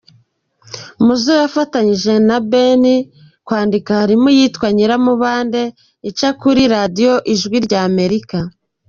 Muzo yafatanyije na Ben kwandika harimo iyitwa’Nyiramubande’ ica kuri radiyo ijwi ry’Amerika.